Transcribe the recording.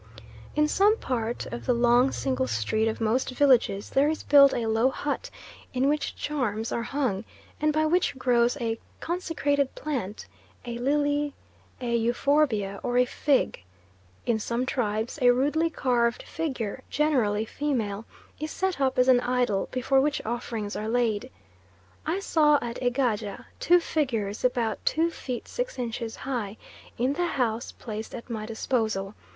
In some part of the long single street of most villages there is built a low hut in which charms are hung, and by which grows a consecrated plant, a lily, a euphorbia, or a fig. In some tribes a rudely carved figure, generally female, is set up as an idol before which offerings are laid. I saw at Egaja two figures about 2 feet 6 inches high, in the house placed at my disposal.